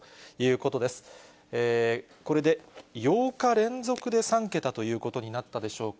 これで８日連続で３桁ということになったでしょうか。